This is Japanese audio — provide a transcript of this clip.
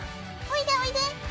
おいでおいで。